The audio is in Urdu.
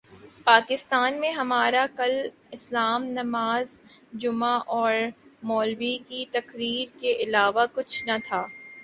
پاکستان میں ہمارا کل اسلام نماز جمعہ اور مولبی کی تقریر کے علاوہ کچھ نہ تھا